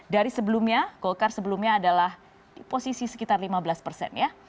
dari sebelumnya golkar sebelumnya adalah di posisi sekitar lima belas persen ya